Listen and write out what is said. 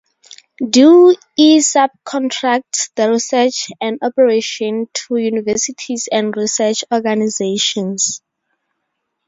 DoE subcontracts the research and operation to universities and research organizations.